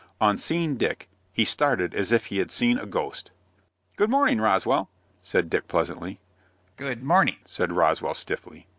On seeing Dick, he started as if he had seen a ghost. "Good morning, Roswell," said Dick, pleasantly. "Good morning," said Roswell, stiffly.